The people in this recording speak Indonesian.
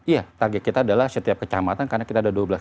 iya target kita adalah setiap kecamatan karena kita ada dua belas